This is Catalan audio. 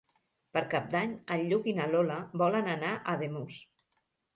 Per Cap d'Any en Lluc i na Lola volen anar a Ademús.